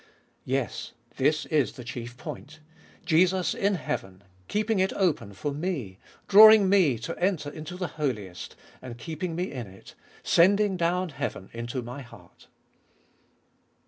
Yes, this is the chief point : Jesus in heaven, keeping it open for me, drawing me to enter into the Holiest, and keeping me in it: sending down heaven into my heart.